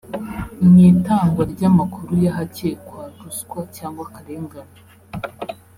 Mu itangwa ry’amakuru y’ahakekwa ruswa cyangwa akarengane